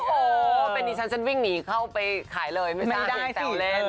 โอ้โหเป็นดิฉันฉันวิ่งหนีเข้าไปขายเลยไม่กล้าดึงแซวเล่น